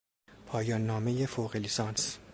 پایان نامهی فوق لیسانس